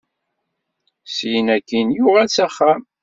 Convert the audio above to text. Syin akkin, yuɣal s axxam.